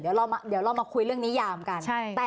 เดี๋ยวเรามาคุยเรื่องนิยามกัน